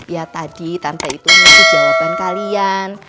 ya tadi tante itu ngerti jawaban kalian